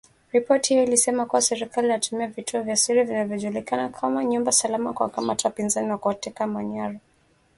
Ripoti hiyo ilisema kuwa serikali inatumia vituo vya siri vinavyojulikana kama nyumba salama kuwakamata wapinzani na kuwatesa mateka